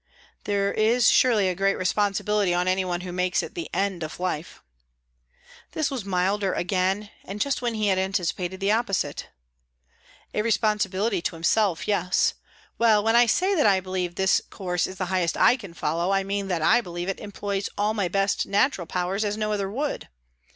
"There is surely a great responsibility on any one who makes it the end of life." This was milder again, and just when he had anticipated the opposite. "A responsibility to himself, yes. Well, when I say that I believe this course is the highest I can follow, I mean that I believe it employs all my best natural powers as no other would.